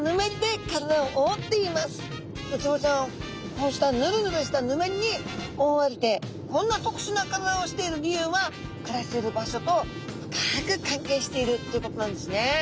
ウツボちゃんはこうしたヌルヌルしたヌメリに覆われてこんな特殊な体をしている理由は暮らしている場所と深く関係しているということなんですね。